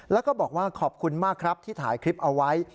แล้วก็บอกว่าขอบคุณมากครับที่ถ่ายคลิปเอาไว้